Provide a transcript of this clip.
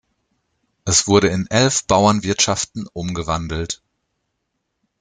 Es wurde in elf Bauernwirtschaften umgewandelt.